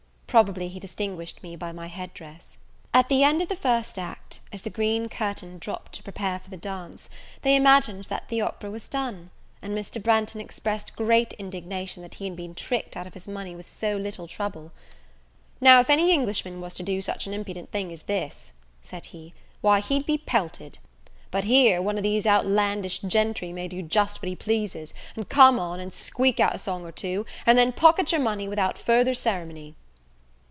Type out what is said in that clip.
Probably he distinguished me by my head dress. At the end of the first act, as the green curtain dropped to prepare for the dance, they imagined that the opera was done; and Mr. Branghton expressed great indignation that he had been tricked out of his money with so little trouble. "Now, if any Englishman was to do such an impudent thing as this," said he, "why, he'd be pelted; but here, one of these outlandish gentry may do just what he pleases, and come on, and squeak out a song or two, and then pocket your money without further ceremony."